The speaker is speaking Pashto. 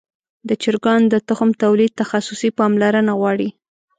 د چرګانو د تخم تولید تخصصي پاملرنه غواړي.